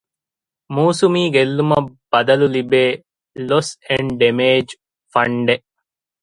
މޫސުމީ ގެއްލުމަށް ބަދަލު ލިބޭ 'ލޮސް އެންޑް ޑެމޭޖު' ފަންޑެއް